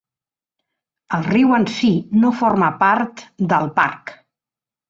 El riu en si no forma part del parc.